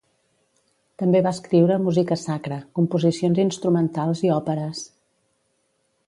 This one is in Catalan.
També va escriure música sacra, composicions instrumentals i òperes.